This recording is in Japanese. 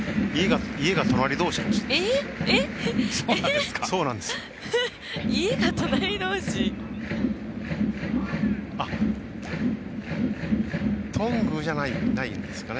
家が隣どうしなんですよ。